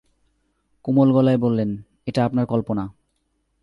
কোমল গলায় বললেন- এটা আপনার কল্পনা।